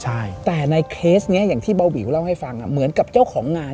ใช่แต่ในเคสเนี้ยอย่างที่เบาวิวเล่าให้ฟังเหมือนกับเจ้าของงาน